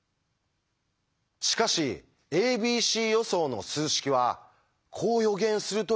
しかし「ａｂｃ予想」の数式はこう予言するというんです。